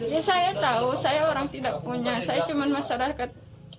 ya saya tahu saya orang tidak punya saya cuma masyarakat